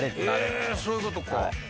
ええそういうことか。